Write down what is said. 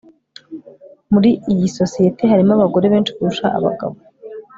Muri iyi sosiyete harimo abagore benshi kurusha abagabo